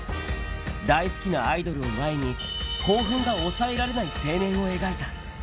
大好きなアイドルを前に、興奮が抑えられない青年を描いた。